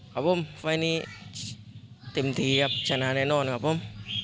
ครับผมไฟล์นี้เต็มทีครับชนะแน่นอนครับผม